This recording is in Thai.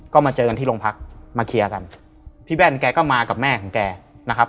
ก็มาเจอกันที่โรงพักมาเคลียร์กันพี่แว่นแกก็มากับแม่ของแกนะครับ